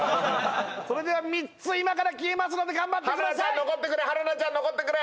それでは３つ今から消えますので頑張ってください春菜ちゃん残ってくれ！